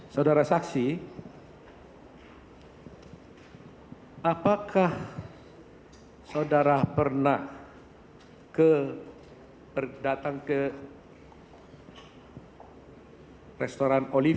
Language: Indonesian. ya dari pihak kantor